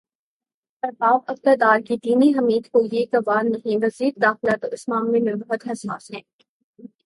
ارباب اقتدارکی دینی حمیت کو یہ گوارا نہیں وزیر داخلہ تو اس معاملے میں بہت حساس ہیں۔